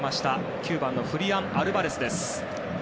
９番のフリアン・アルバレスです。